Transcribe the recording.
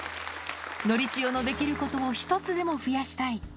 のりしおのできることを１つでも増やしたい。